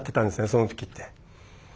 その時って。